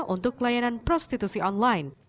untuk layanan prostitusi online